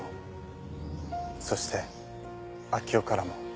そして明生からも。